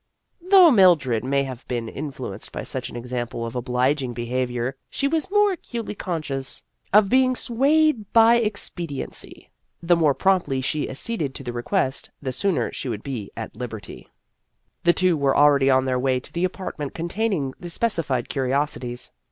Though Mildred may have been influ enced by such an example of obliging be havior, she was more acutely conscious of being swayed by expediency : the more promptly she acceded to the request, the sooner she would be at liberty. The two 1 70 Vassar Studies were already on their way to the apart ment containing the specified curiosities.